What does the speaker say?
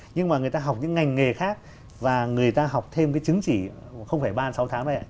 nhưng mà người ta học những ngành nghề khác và người ta học thêm cái chứng chỉ không phải ba sáu tháng thôi ạ